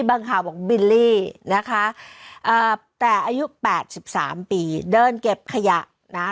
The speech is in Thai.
บางข่าวบอกวินลี่นะคะเอ่อแต่อายุแปดสิบสามปีเดินเก็บขยะน่ะ